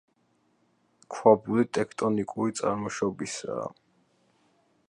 ქვაბული ტექტონიკური წარმოშობისაა.